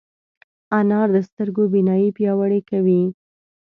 انار د سترګو بینايي پیاوړې کوي.